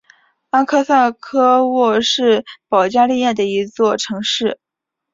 阿克萨科沃是保加利亚的一座城市。